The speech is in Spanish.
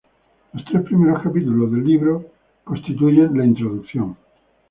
Los tres primeros capítulos del libro primero constituyen la introducción.